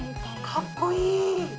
かっこいい！